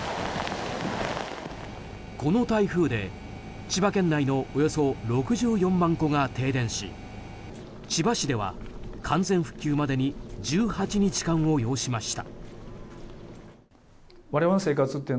この台風で千葉県内のおよそ６４万戸が停電し千葉市では完全復旧までに１８日間を要しました。